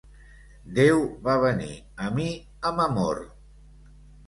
Déu va venir a mi amb amor.